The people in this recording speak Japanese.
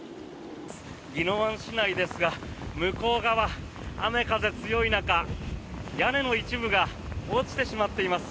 宜野湾市内ですが向こう側、雨風強い中屋根の一部が落ちてしまっています。